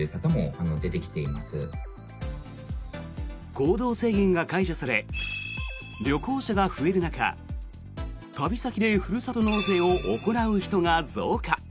行動制限が解除され旅行者が増える中旅先でふるさと納税を行う人が増加。